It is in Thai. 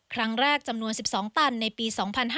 ครั้งแรกจำนวน๑๒ตันในปี๒๕๓๒